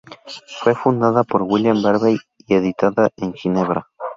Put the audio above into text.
Fue fundada por William Barbey y editada en Ginebra.